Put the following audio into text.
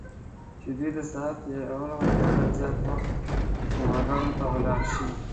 چې دوی د ساعت تیریو لپاره زیات وخت سینماګانو ته ولاړ شي.